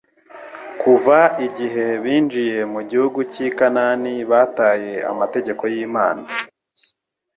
Kuva igihe binjiye mu gihugu cy'i Kanani bataye amategeko y'Imana,